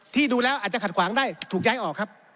ดูแล้วอาจจะขัดขวางได้ถูกย้ายออกครับ